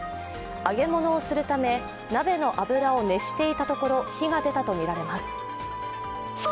揚げ物をするため、鍋の油を熱していたところ火が出たとみられます。